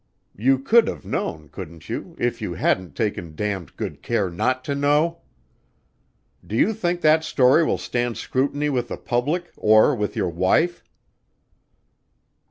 You could of known, couldn't you, if you hadn't taken damned good care not to know? Do you think that story will stand scrutiny with the public or with your wife?"